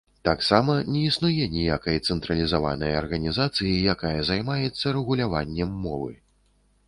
Таксама не існуе ніякай цэнтралізаванай арганізацыі, якая займаецца рэгуляваннем мовы.